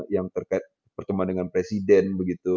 yang terkait pertemuan dengan presiden begitu